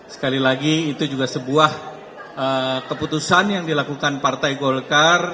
sekali lagi itu juga sebuah keputusan yang dilakukan partai golkar